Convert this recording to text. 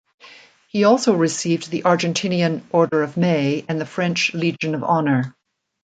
He also received the Argentinian Order of May and the French Legion of Honour.